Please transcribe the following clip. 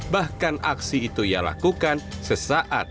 bahkan aksi itu ia lakukan sesaat